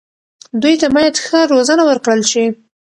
دوی ته باید ښه روزنه ورکړل شي.